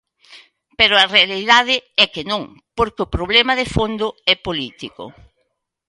Pero a realidade é que non, porque o problema de fondo é político.